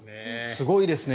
すごいですね。